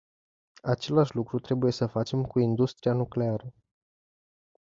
Același lucru trebuie să facem cu industria nucleară.